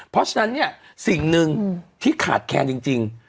เพราะฉะนั้นเนี่ยสิ่งหนึ่งที่ขาดแคลนจริง